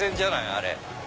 あれ。